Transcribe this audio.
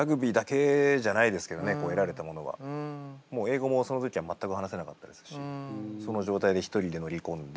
もう英語もその時は全く話せなかったですしその状態で一人で乗り込んで。